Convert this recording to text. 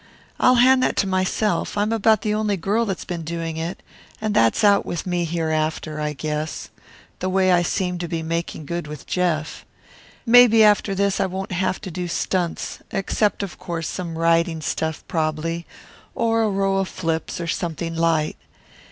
I'll hand that to myself. I'm about the only girl that's been doing it, and that's out with me hereafter, I guess, the way I seem to be making good with Jeff. Maybe after this I won't have to do stunts, except of course some riding stuff, prob'ly, or a row of flips or something light.